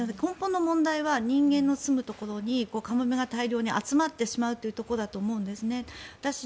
根本の問題は人間の住むところにカモメが大量に集まってしまうことだと思うんです。